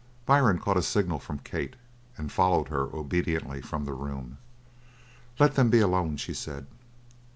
Byrne caught a signal from Kate and followed her obediently from the room. "Let them be alone," she said.